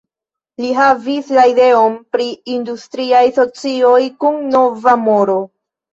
Li havis la ideon pri industria socio kun nova moro.